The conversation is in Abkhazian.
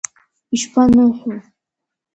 Ишԥаныҳәоу!